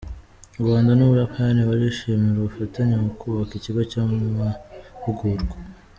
U Rwanda n’u Buyapani barishimira ubufatanye mu kubaka ikigo cy’amahugurwa